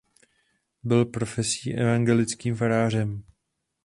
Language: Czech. Byl profesí evangelickým farářem.